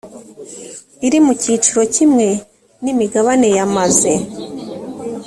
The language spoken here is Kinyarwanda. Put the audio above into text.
iri mu cyiciro kimwe n imigabane yamaze